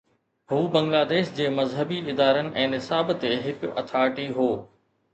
هو بنگلاديش جي مذهبي ادارن ۽ نصاب تي هڪ اٿارٽي هو.